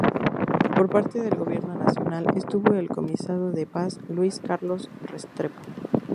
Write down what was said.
Por parte del Gobierno Nacional estuvo el Comisionado de Paz, Luis Carlos Restrepo.